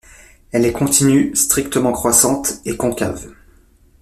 Elle est continue, strictement croissante et concave.